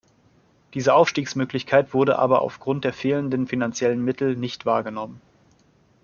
Diese Aufstiegsmöglichkeit wurde aber auf Grund der fehlenden finanziellen Mittel nicht wahrgenommen.